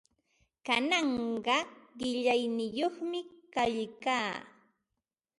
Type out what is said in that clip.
Kananqa qillayniyuqmi kaykaa.